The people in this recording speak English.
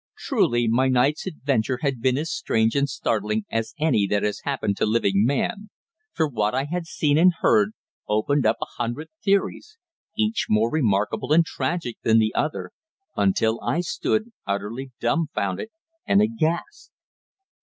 Truly my night's adventure had been as strange and startling as any that has happened to living man, for what I had seen and heard opened up a hundred theories, each more remarkable and tragic than the other, until I stood utterly dumfounded and aghast.